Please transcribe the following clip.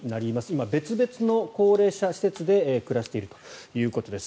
今、別々の高齢者施設で暮らしているということです。